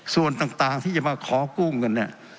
ส่วนต่างที่จะมาขอกู้เงินเนี่ย